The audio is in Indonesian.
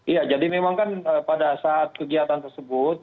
iya jadi memang kan pada saat kegiatan tersebut